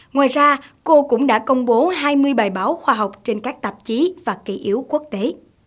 ngoài ra cô cũng đã công bố hai mươi bài báo khoa học trên các tạp chí và kỷ yếu quốc tế